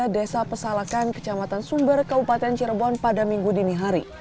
desa pesalakan kecamatan sumber kabupaten cirebon pada minggu dini hari